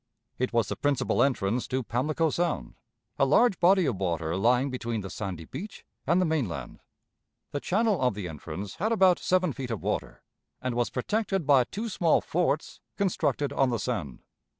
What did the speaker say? It was the principal entrance to Pamlico Sound, a large body of water lying between the sandy beach and the mainland. The channel of the entrance had about seven feet of water, and was protected by two small forts constructed on the sand.